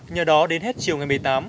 nhờ đó đến hết chiều ngày một mươi tám